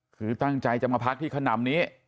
คือตั้งใจจะมาพักที่ขนำนี้